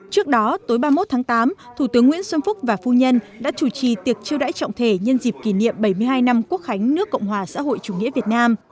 trước đó tối ba mươi một tháng tám thủ tướng nguyễn xuân phúc và phu nhân đã chủ trì tiệc chiêu đãi trọng thể nhân dịp kỷ niệm bảy mươi hai năm quốc khánh nước cộng hòa xã hội chủ nghĩa việt nam